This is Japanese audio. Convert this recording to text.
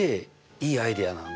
いいアイデアなので。